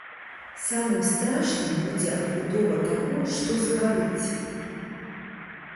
Самым страшным будзе адбудова таго, што згарыць.